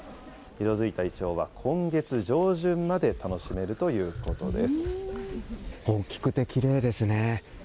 色づいたイチョウは今月上旬まで楽しめるということです。